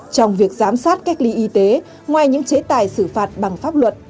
trong việc giám sát cách ly y tế ngoài những chế tài xử phạt bằng pháp luật